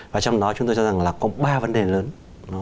và trong đó chúng tôi cho rằng là có ba vấn đề lớn